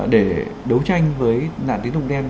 để đấu tranh với nạn tín tụng đen